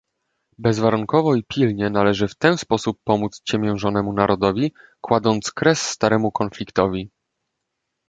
bezwarunkowo i pilnie należy w ten sposób pomóc ciemiężonemu narodowi, kładąc kres staremu konfliktowi